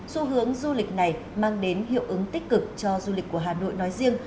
xu hướng du lịch này mang đến hiệu ứng tích cực cho du lịch của hà nội nói riêng